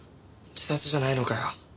自殺じゃないのかよ。